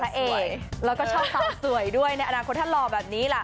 เอกแล้วก็ชอบสาวสวยด้วยในอนาคตถ้าหล่อแบบนี้ล่ะ